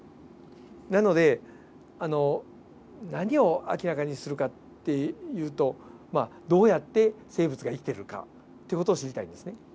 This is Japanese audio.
なので何を明らかにするかっていうとどうやって生物が生きているかって事を知りたいですね。